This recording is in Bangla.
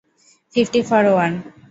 Fifty four one.